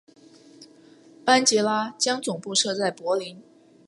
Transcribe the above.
班杰拉将总部设在柏林。